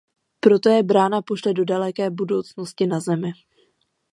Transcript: Proto je brána pošle do daleké budoucnosti na Zemi.